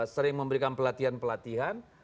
sering memberikan pelatihan pelatihan